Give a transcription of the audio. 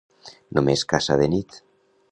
Només caça de nit.